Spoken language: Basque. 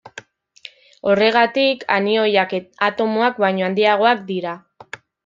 Horregatik anioiak atomoak baino handiagoak dira.